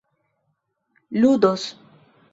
ludos